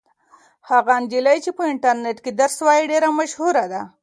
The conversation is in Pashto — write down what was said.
هغه نجلۍ چې په انټرنيټ کې درس وایي ډېره مشهوره ده.